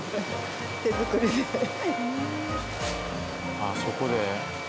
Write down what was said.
あっそこで？